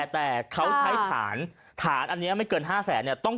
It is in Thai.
แต่เขาใช้ฐานฐานอันนี้ไม่เกิน๕แสนเนี่ย